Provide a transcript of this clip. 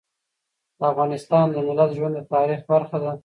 د افغانستان د ملت ژوند د تاریخ برخه ده.